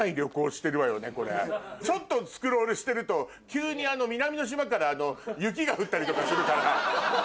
ちょっとスクロールしてると急に南の島から雪が降ったりとかするから。